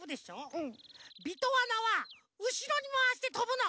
「びとわな」はうしろにまわしてとぶの！